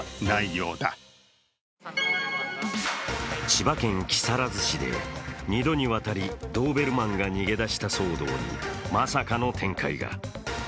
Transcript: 千葉県木更津市で２度にわたりドーベルマンが逃げ出した騒動にまさかの展開が。